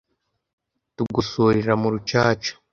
Tugosorera mu rucaca